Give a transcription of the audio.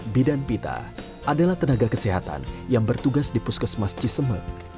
bidan pita adalah tenaga kesehatan yang bertugas di puskesmas ciseme